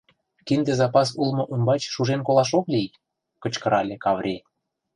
Кинде запас улмо ӱмбач шужен колаш ок лий! — кычкырале Каври.